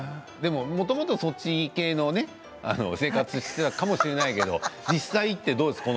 もともとそっち系の生活をしていたかもしれないけれども実際に行ってどうですか？